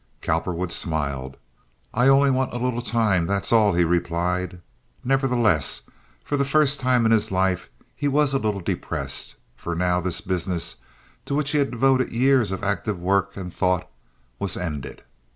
Cowperwood smiled. "I only want a little time, that's all," he replied. Nevertheless, for the first time in his life he was a little depressed; for now this business, to which he had devoted years of active work and thought, was ended.